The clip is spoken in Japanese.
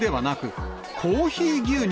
コーヒー牛乳！